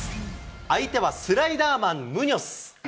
相手はスライダーマン、ムニョス。